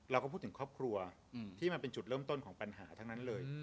เราก็พูดถึงครอบครัวที่มันเป็นจุดเริ่มต้นของปัญหาทั้งนั้นเลย